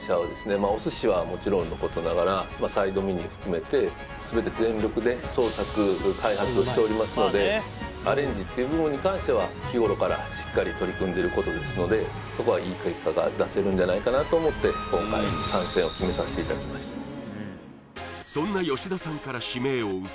まあお寿司はもちろんのことながらサイドメニュー含めて全て全力で創作開発をしておりますのでアレンジっていう部分に関しては日頃からしっかり取り組んでることですのでそこはいい結果が出せるんじゃないかなと思って今回そんな吉田さんから指名を受け